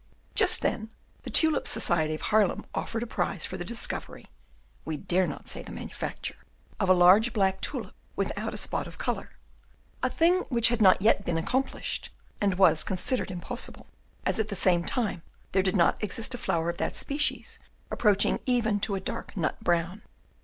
Just then the Tulip Society of Haarlem offered a prize for the discovery (we dare not say the manufacture) of a large black tulip without a spot of colour, a thing which had not yet been accomplished, and was considered impossible, as at that time there did not exist a flower of that species approaching even to a dark nut brown.